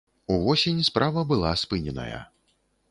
Увосень справа была спыненая.